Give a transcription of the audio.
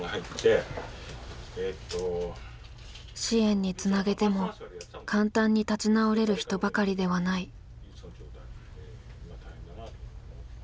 支援につなげても簡単に立ち直れる人ばかりではない。